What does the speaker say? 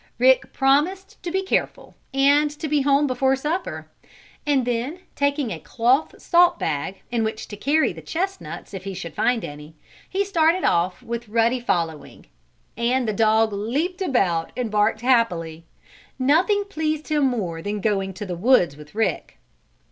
Rick promised to be careful, and to be home before supper, and then, taking a cloth salt bag, in which to carry the chestnuts if he should find any, off he started with Ruddy following. And the dog leaped about and barked happily. Nothing pleased him more than going to the woods with Rick.